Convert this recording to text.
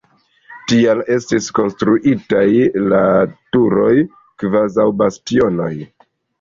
Tial estis konstruitaj la turoj kvazaŭ bastionoj.